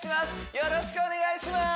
よろしくお願いします！